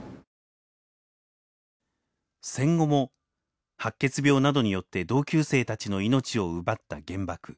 戦後も白血病などによって同級生たちの命を奪った原爆。